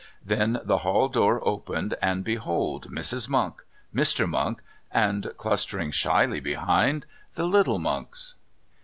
Then the hall door opened, and behold Mrs. Monk, Mr. Monk, and, clustering shyly behind, the little Monks.